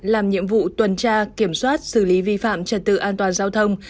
làm nhiệm vụ tuần tra kiểm soát xử lý vi phạm trật tự an toàn giao thông